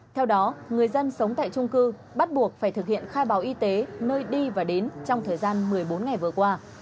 theo đó người dân sống tại trung cư bắt buộc phải thực hiện khai báo y tế nơi đi và đến trong thời gian một mươi bốn ngày vừa qua